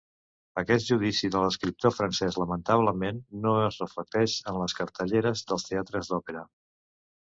Aquest judici de l'escriptor francès, lamentablement, no es reflecteix en les cartelleres dels teatres d'òpera.